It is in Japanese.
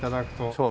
そう。